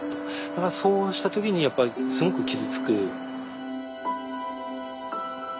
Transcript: だからそうした時にやっぱりすごく傷つく。